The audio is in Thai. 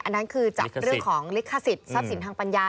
อันนั้นคือจากเรื่องของลิขสิทธิทรัพย์สินทางปัญญา